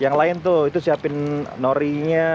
yang lain tuh itu siapin norinya